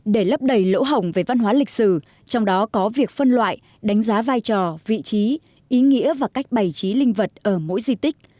để lấp đầy lỗ hồng về văn hóa lịch sử trong đó có việc phân loại đánh giá vai trò vị trí ý nghĩa và cách bày trí linh vật ở mỗi di tích